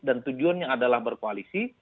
dan tujuannya adalah berkoalisi